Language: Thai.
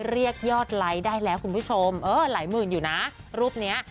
เรียกยอดไลค์ได้แล้วคุณผู้ชมเออหลายหมื่นอยู่นะรูปเนี้ย